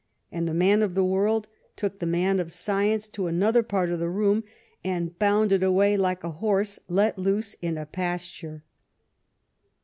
And the man of the world took the man of science to another part of the room, and bounded away like a horse let loose in a pasture.""